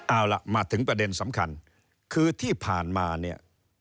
เอาล่ะมาถึงประเด็นสำคัญคือที่ผ่านมาเนี่ย